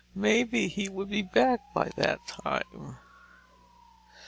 Maybe he would be back by that time.